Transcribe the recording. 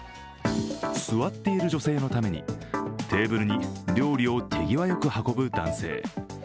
座っている女性のためにテーブルに料理を手際よく運ぶ男性。